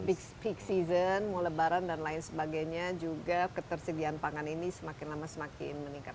big season mulebaran dan lain sebagainya juga ketersediaan pangan ini semakin lama semakin meningkat